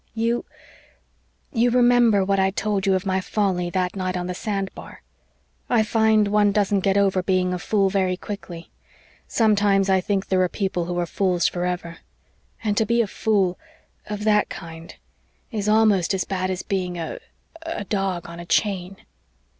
You you remember what I told you of my folly that night on the sand bar? I find one doesn't get over being a fool very quickly. Sometimes I think there are people who are fools forever. And to be a fool of that kind is almost as bad as being a a dog on a chain."